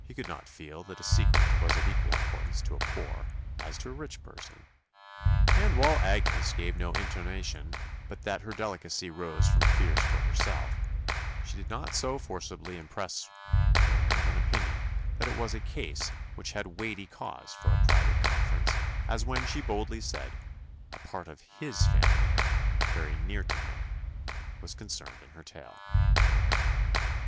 He could not feel that a secret was of equal importance to a poor as to a rich person; and while Agnes gave no intimation but that her delicacy rose from fears for herself, she did not so forcibly impress him with an opinion that it was a case which had weighty cause for a private conference as when she boldly said, "a part of his family, very near to him, was concerned in her tale."